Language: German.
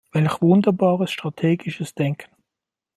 Welch wunderbares strategisches Denken!